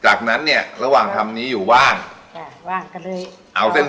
จากนั้นเนี้ยระหว่างทำนี้อยู่บ้างจ้ะว่างก็เลยเอาเส้น